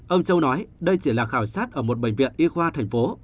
ông châu nói đây chỉ là khảo sát ở một bệnh viện y khoa thành phố